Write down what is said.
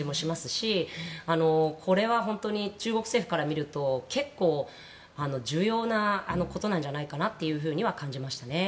しこれは本当に中国政府から見ると結構、重要なことじゃないかと感じましたね。